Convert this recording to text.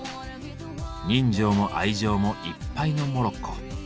人情も愛情もいっぱいのモロッコ。